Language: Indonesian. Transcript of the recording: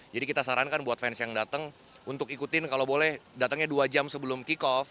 jadi kita sarankan buat fans yang datang untuk ikutin kalau boleh datangnya dua jam sebelum kick off